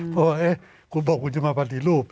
เบาะคุณบอกว่าคุณจะมาปฏิรูป